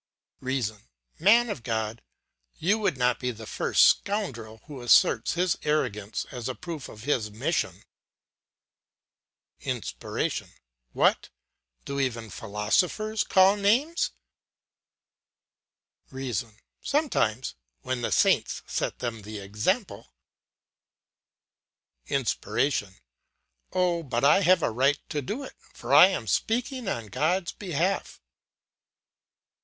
"REASON: Man of God, you would not be the first scoundrel who asserts his arrogance as a proof of his mission. "INSPIRATION: What! do even philosophers call names? "REASON: Sometimes, when the saints set them the example. "INSPIRATION: Oh, but I have a right to do it, for I am speaking on God's behalf.